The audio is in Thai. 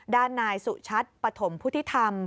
ด้านนายสุชัดปฐมพุทธิธรรม